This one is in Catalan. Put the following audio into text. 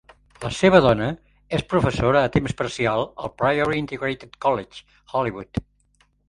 La seva dona és professora a temps parcial al Priory Integrated College, Holywood.